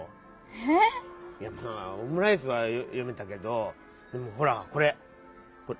ええっ⁉「オムライス」はよめたけどでもほらこれ！